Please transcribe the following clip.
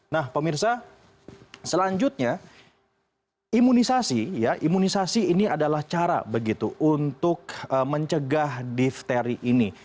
nah pemirsa selanjutnya imunisasi ya imunisasi ini adalah cara begitu untuk mencegah difteri ini